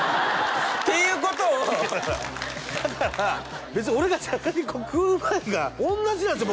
ていうことをだから別に俺がじゃがりこ食うまいが同じなんですよ